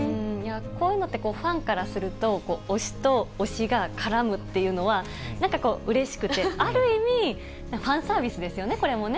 こういうのって、ファンからすると、推しと推しが絡むっていうのは、なんかこう、うれしくて、ある意味、ファンサービスですよね、これもね。